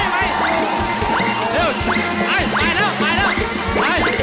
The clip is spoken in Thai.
ไปไปแล้ว